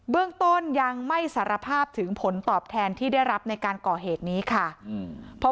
เรื่องต้นยังไม่สารภาพถึงผลตอบแทนที่ได้รับในการก่อเหตุนี้ค่ะอืม